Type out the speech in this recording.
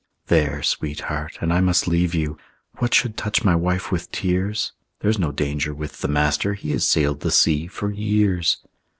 There, sweetheart! And I must leave you. What should touch my wife with tears? There's no danger with the Master; He has sailed the sea for years.